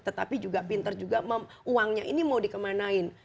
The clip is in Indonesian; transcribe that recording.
tetapi juga pinter juga uangnya ini mau dikemanain